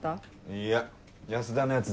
いや安田のヤツ